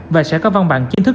và sẽ có văn bản chính thức